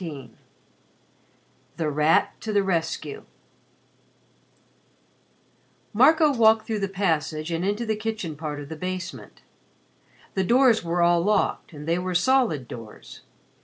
XVI THE RAT TO THE RESCUE Marco walked through the passage and into the kitchen part of the basement. The doors were all locked, and they were solid doors.